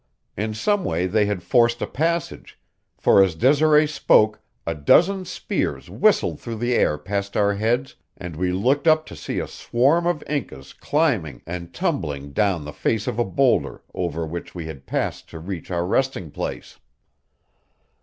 In some way they had forced a passage, for as Desiree spoke a dozen spears whistled through the air past our heads and we looked up to see a swarm of Incas climbing and tumbling down the face of a boulder over which we had passed to reach our resting place.